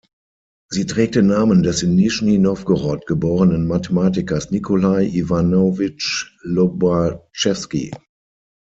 Sie trägt den Namen des in Nischni Nowgorod geborenen Mathematikers Nikolai Iwanowitsch Lobatschewski.